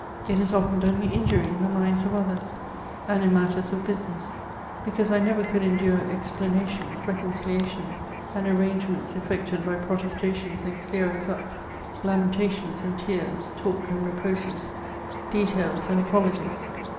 It has often done me injury in the minds of others and in matters of business, because I never could endure ex planations, reconciliations, and arrangements effected by pro testations and clearings up, lamentations and tears, talk and reproaches, details and apologies.